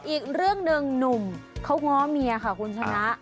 อีกเรื่องหนึ่งหนุ่มเขาง้อเมียค่ะคุณชนะ